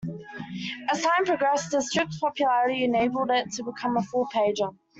As time progressed, the strip's popularity enabled it to become a full pager.